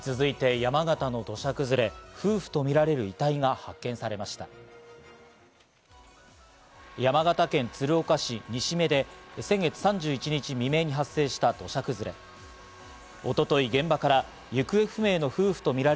山形県鶴岡市西目で先月３１日未明に発生した土砂崩れ。